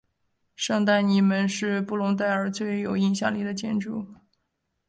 圣丹尼门是布隆代尔最有影响力建筑。